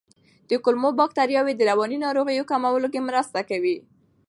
د کولمو بکتریاوې د رواني ناروغیو کمولو کې مرسته کوي.